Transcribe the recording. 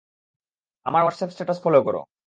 আমার WhatsApp status follow করো।